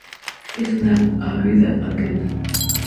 Es una ávida atleta.